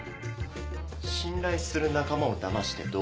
信頼する仲間をだましてどう思う？